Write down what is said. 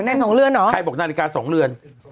ในสองเลือนหรอใส่นาฬิกาได้ในสองเลือน